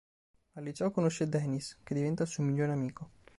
Al liceo conosce Denis, che diventa il suo migliore amico.